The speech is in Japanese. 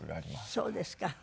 そうですか。